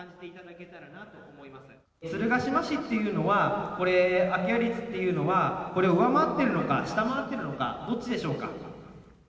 鶴ヶ島市っていうのは、これ、空き家率っていうのは、これを上回っているのか、下回っているのかどっちでしょうか。